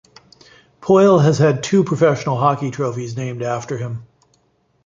Poile has had two professional hockey trophies named after him.